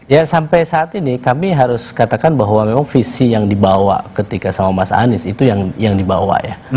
ya sampai saat ini kami harus katakan bahwa memang visi yang dibawa ketika sama mas anies itu yang dibawa ya